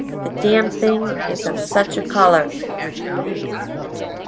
the Damned Thing is of such a color!"